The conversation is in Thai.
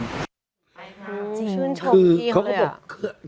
ชื่นชมที่เลยอะ